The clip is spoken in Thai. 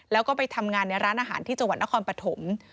แล้วก็ไปทำงานในร้านอาหารที่จังหวัดนครปฐม